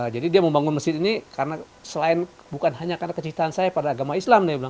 jadi dia membangun masjid ini bukan hanya karena kecintaan saya pada agama islam